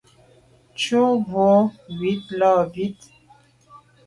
Tshu bo ywit là bit.